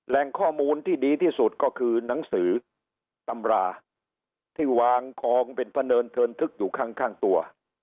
แหล่งข้อมูลที่ดีที่สุดก็คือหนังสือตำราที่วางกองเป็นพะเนินเทินทึกอยู่ข้างตัว